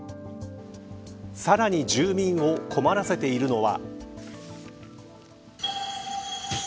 さらに住民を困らせているのは。